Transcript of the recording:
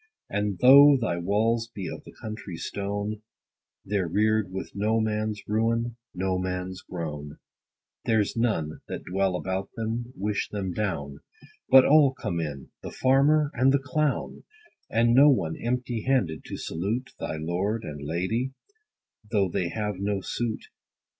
And though thy walls be of the country stone, They're rear'd with no man's ruin, no man's groan ; There's none, that dwell about them, wish them down ; But all come in, the farmer and the clown ; And no one empty handed, to salute Thy lord and lady, though they have no suit.